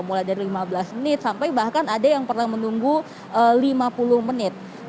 mulai dari lima belas menit sampai bahkan ada yang pernah menunggu lima puluh menit